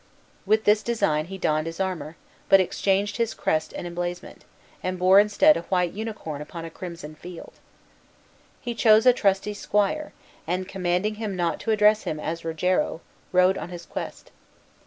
With this design he donned his armor, but exchanged his crest and emblazonment, and bore instead a white unicorn upon a crimson field. He chose a trusty squire, and, commanding him not to address him as Rogero, rode on his quest.